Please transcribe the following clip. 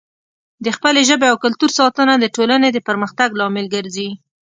د خپلې ژبې او کلتور ساتنه د ټولنې د پرمختګ لامل ګرځي.